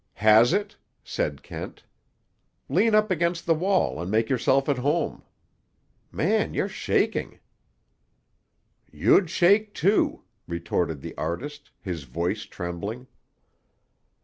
"Has it?" said Kent. "Lean up against the wall and make yourself at home. Man, you're shaking!" "You'd shake, too," retorted the artist, his voice trembling.